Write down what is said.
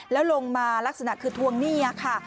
แล้วลงมาลักษณะคือทวงหนี้ค่ะ